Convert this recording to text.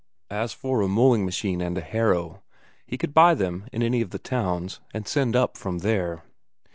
As for a mowing machine and a harrow, he could buy them in any of the towns, and send up from there.